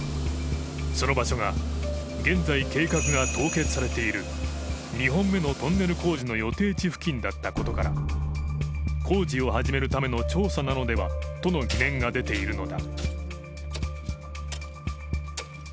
その場所が現在、計画が凍結されている２本目のトンネル工事の予定地付近だったことから工事を始めるための調査なのではとの疑念が出ているのだ。